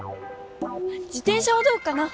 自てん車はどうかな？